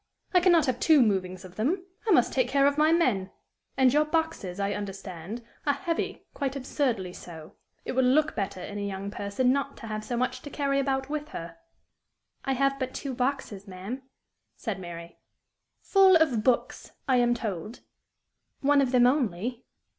I can not have two movings of them; I must take care of my men. And your boxes, I understand, are heavy, quite absurdly so. It would look better in a young person not to have so much to carry about with her." "I have but two boxes, ma'am," said Mary. "Full of books, I am told." "One of them only."